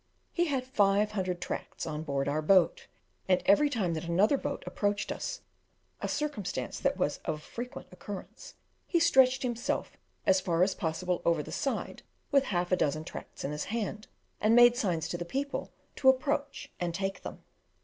He had 500 tracts on board our boat, and every time that another boat approached us, a circumstance that was of frequent occurrence, he stretched himself as far as possible over the side with half a dozen tracts in his hand, and made signs to the people to approach and take them.